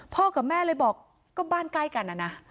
กับแม่เลยบอกก็บ้านใกล้กันนะนะ